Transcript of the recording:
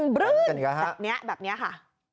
บึ้นแบบนี้ค่ะ